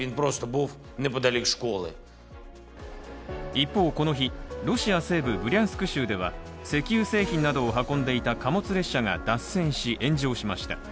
一方、この日、ロシア西部ブリャンスク州では石油製品などを運んでいた貨物列車が脱線し炎上しました。